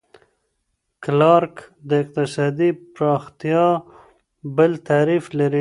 کلارک د اقتصادي پرمختیا بل تعریف لري.